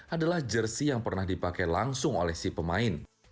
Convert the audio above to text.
adalah jersi yang pernah dipakai langsung oleh si pemain